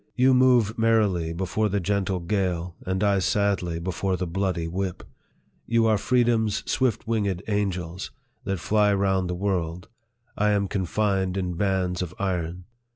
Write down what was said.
You move merrily before the gentle gale, and I sadly before the bloody whip ! You are freedom's swift winged angels, that fty round the world ; I am confined in bands of iron